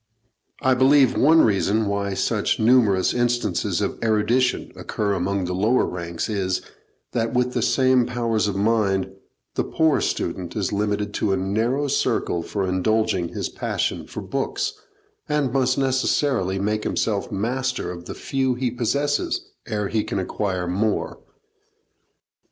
I believe one reason why such numerous instances of erudition occur among the lower ranks is, that, with the same powers of mind, the poor student is limited to a narrow circle for indulging his passion for books, and must necessarily make himself master of the few he possesses ere he can acquire more.